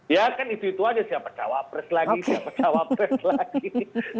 ya kan itu itu aja siapa jawab pres lagi siapa jawab pres lagi